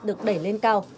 được đẩy lên cao